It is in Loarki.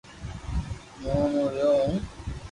امو او مي رھيو ھون